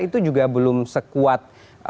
itu juga belum sekuat